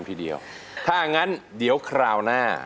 ขอบคุณค่ะ